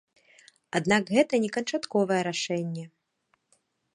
Аднак гэта не канчатковае рашэнне.